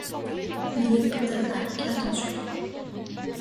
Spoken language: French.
Il écouta avec attention.